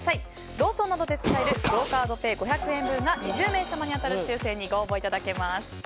ローソンなどで使えるクオ・カードペイ５００円分が２０名様に当たる抽選にご応募いただけます。